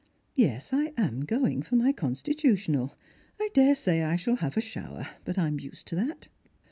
Yes, I am going for my constitutional. I daresay I shall have a ehower, but I'm used to that."